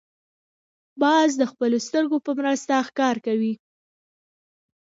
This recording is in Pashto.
باز د خپلو سترګو په مرسته ښکار کوي